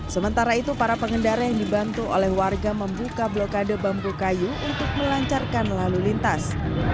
sementara itu para pengendara yang dibantu oleh warga membuka blokade bambu kayu untuk melancarkan lalu lintas